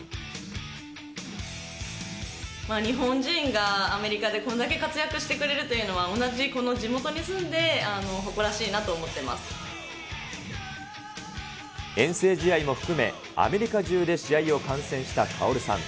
日本人がアメリカでこれだけ活躍してくれるというのは、同じこの地元に住んで、誇らしい遠征試合も含め、アメリカ中で試合を観戦したカオルさん。